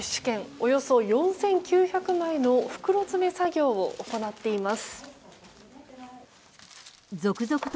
およそ４９００枚の袋詰め作業を行っています。